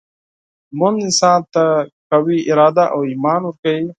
لمونځ انسان ته قوي اراده او ایمان ورکوي.